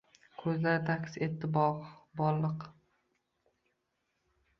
Ko’zlarida aks etdi borliq.